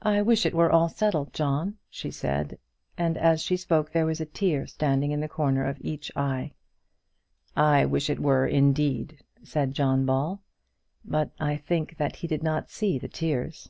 "I wish it were all settled, John," she said; and as she spoke there was a tear standing in the corner of each eye. "I wish it were, indeed," said John Ball; but I think that he did not see the tears.